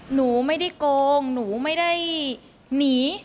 หนูไม่ได้โกงหนูไม่ได้หนี